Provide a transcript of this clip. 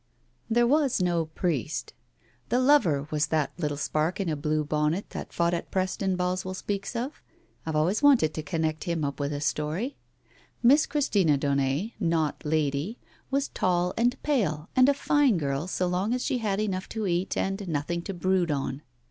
••••••• There was no priest. The lover was that "little spark in a blue bonnet that fought at Preston " Boswell speaks of. Pve always wanted to connect him up with a story. Miss Christina Daunet — not Lady — was tall and pale, and a fine girl, so long as she had enough to eat, and nothing to brood on.